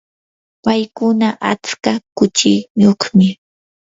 paykuna atska kuchiyuqmi.